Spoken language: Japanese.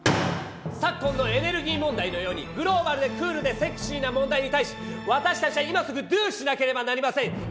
昨今のエネルギー問題のようにグローバルでクールでセクシーな問題に対し私たちは今すぐドゥしなければなりません！